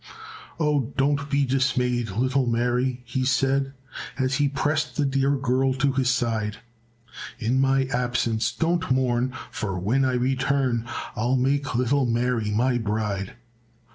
"Oh, don't be dismayed, little Mary," he said, As he pressed the dear girl to his side, "In my absence don't mourn, for when I return I'll make little Mary my bride."